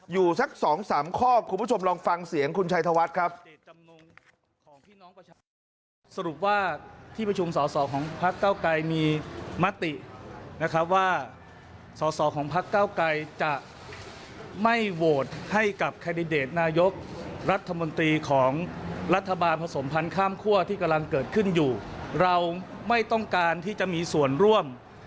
อยู่สัก๒๓ข้อคุณผู้ชมลองฟังเสียงคุณชัยธวัฒน์ครับ